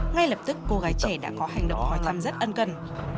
ngay lập tức cô gái trẻ đã có hành động hỏi thăm rất ân cần